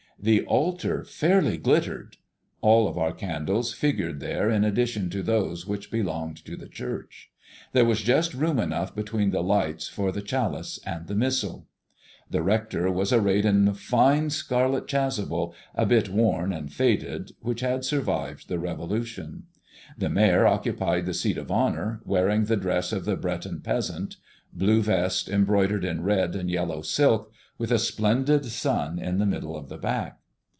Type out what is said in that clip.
The altar fairly glittered. All of our candles figured there in addition to those which belonged to the church. There was just room enough between the lights for the chalice and the missal. The rector was arrayed in a fine scarlet chasuble, a bit worn and faded, which had survived the Revolution. The mayor occupied the seat of honor, wearing the dress of the Breton peasant, blue vest embroidered in red and yellow silk, with a splendid sun in the middle of the back.